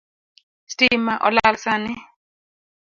Stima olal sani